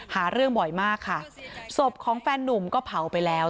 หาเรื่องบ่อยมากค่ะศพของแฟนนุ่มก็เผาไปแล้ว